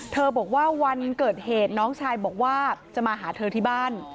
บอกว่าวันเกิดเหตุน้องชายบอกว่าจะมาหาเธอที่บ้าน